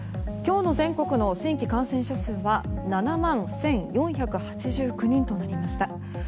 今日の全国の新規感染者数は７万１４８９人となりました。